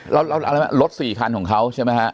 แล้วอะไรรถ๔คันของเขาใช่ไหมฮะ